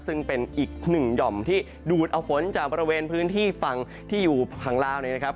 ซึ่งเป็นอีกหนึ่งหย่อมที่ดูดเอาฝนจากบริเวณพื้นที่ฝั่งที่อยู่ฝั่งลาวเนี่ยนะครับ